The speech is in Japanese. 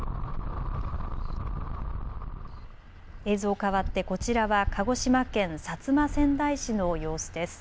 映像かわってこちらは鹿児島県薩摩川内市の様子です。